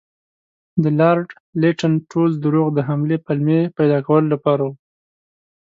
د لارډ لیټن ټول دروغ د حملې پلمې پیدا کولو لپاره وو.